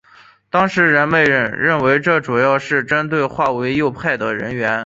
当时人们认为这主要是针对划为右派的人员。